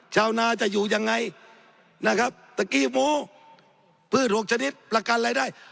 ชาวนาจะอยู่ยังไงนะครับตะกี้หมูพืชหกชนิดประกันรายได้